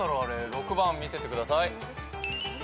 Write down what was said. ６番見せてください。